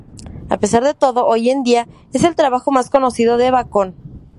A pesar de todo, hoy en día es el trabajo más conocido de Bacon.